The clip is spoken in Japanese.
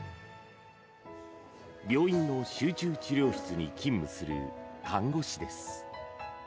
病院の集中治療室に勤務する看護師です。